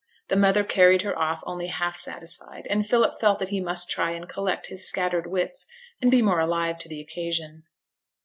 The mother carried her off only half satisfied, and Philip felt that he must try and collect his scattered wits, and be more alive to the occasion.